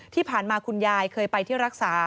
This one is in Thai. ที่ผ่านมาคุณยายเคยไปที่รักษา